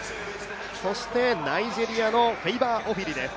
そしてナイジェリアのフェイバー・オフィリです。